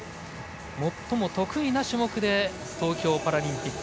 最も得意な種目で東京パラリンピック